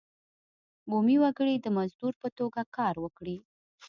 بومي وګړي د مزدور په توګه کار وکړي.